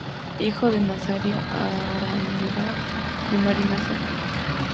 Hijo de Nazario Araníbar y Marina Zerpa.